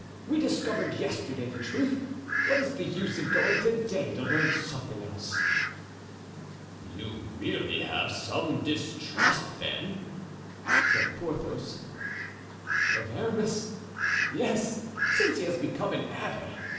We discovered yesterday the truth; what is the use of going to day to learn something else?" "You really have some distrust, then?" said Porthos. "Of Aramis, yes, since he has become an abbé.